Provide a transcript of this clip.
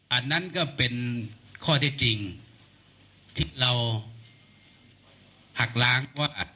อันนั้นก็เป็นข้อเท็จจริงที่เราหักล้างว่า